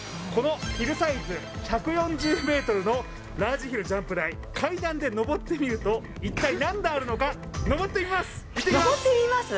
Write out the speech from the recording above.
このヒルサイズ、１４０ｍのラージヒルジャンプ台、階段で上ってみると一体何段あるのか上ってみます！